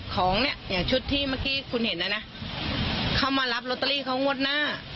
ของเนี่ยอย่างชุดที่เมื่อกี้คุณเห็นน่ะนะเขามารับลอตเตอรี่เขางวดหน้า